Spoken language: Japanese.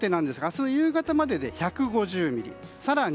明日の夕方までで１５０ミリ。